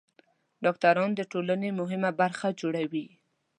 ډاکټران د ټولنې مهمه برخه جوړوي.